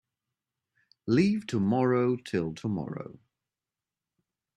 Leave tomorrow till tomorrow.